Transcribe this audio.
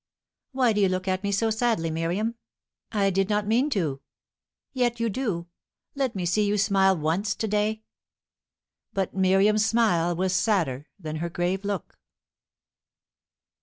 "Why do you look at me so sadly, Miriam?" "I did not mean to." "Yet you do. Let me see you smile once to day." But Miriam's smile was sadder than her grave look.